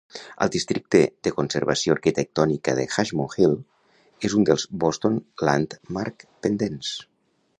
El Districte de Conservació Arquitectònica d'Ashmont Hill és un dels Boston Landmark pendents.